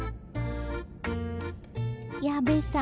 矢部さん。